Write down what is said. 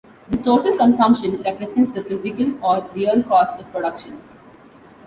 This total consumption represents the physical, or real, cost of production.